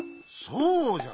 そうじゃ。